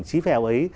chí phèo ấy